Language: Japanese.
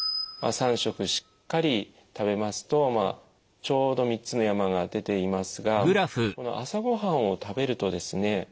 ３食しっかり食べますとちょうど３つの山が出ていますがこの朝ご飯を食べるとですね